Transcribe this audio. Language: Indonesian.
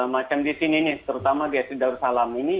macam di sini nih terutama di darussalam ini